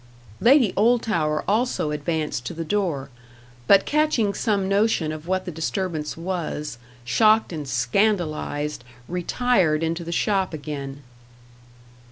Lady Oldtower also advanced to the door; but catching some notion of what the disturbance was, shocked and scandalised, retired into the shop again.